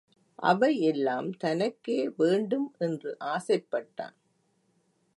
அவையெல்லாம் தனக்கே வேண்டும் என்று ஆசைப்பட்டான்.